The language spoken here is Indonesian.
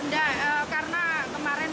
karena kemarin yang parah di sini